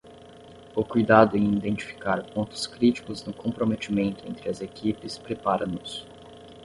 O cuidado em identificar pontos críticos no comprometimento entre as equipes prepara-nos